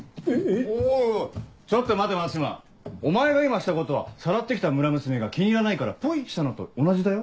おいおいちょっと待て松島お前が今したことはさらって来た村娘が気に入らないからポイしたのと同じだよ。